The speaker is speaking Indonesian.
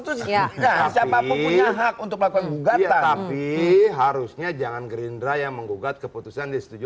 babbu punya hak untuk lakukan juga tetapi harusnya jangan gennesa yang mengugat keputusan disetujui